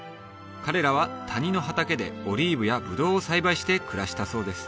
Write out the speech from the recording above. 彼らは谷の畑でオリーブやブドウを栽培して暮らしたそうです